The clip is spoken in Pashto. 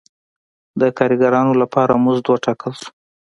د کارګرانو لپاره مزد وټاکل شو.